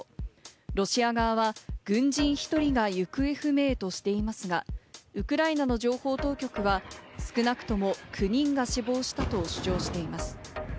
ロシア側は軍人１人が行方不明としていますが、ウクライナの情報当局は、少なくとも９人が死亡したと主張しています。